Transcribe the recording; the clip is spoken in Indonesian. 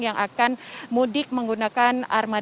yang akan mudik menggunakan arus mudik